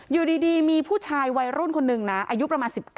อยู่ดีมีผู้ชายวัยรุ่นคนหนึ่งนะอายุประมาณ๑๙